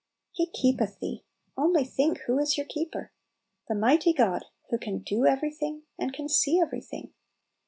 He "keepeth thee"; only think who is your Keeper ! the mighty God, who can do every' thing, and can see every thing.